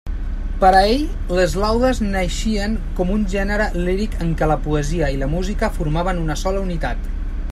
Per a ell les laudes naixien com un gènere líric en què la poesia i la música formaven una sola unitat.